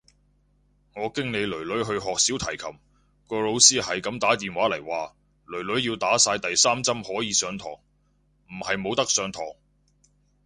我經理囡囡去學小提琴，個老師係咁打電話嚟話，囡囡要打晒第三針可以上堂，唔係冇得上堂。